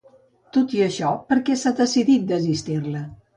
Tot i això, per què s'ha decidit desistir-la?